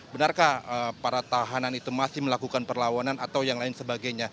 benarkah para tahanan itu masih melakukan perlawanan atau yang lain sebagainya